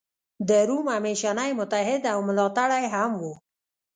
د روم همېشنی متحد او ملاتړی هم و.